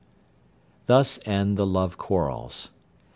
Thus end the love quarrels.